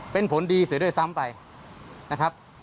เป็นผลดีเสียด้วยซ้ำไปนะครับ